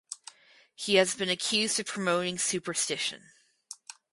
He has been accused of promoting superstition.